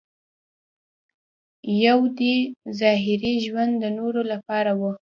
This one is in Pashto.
یو دې ظاهري ژوند د نورو لپاره و.